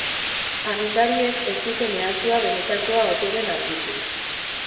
Agintariek ez dute mehatxua benetakoa ote den argitu.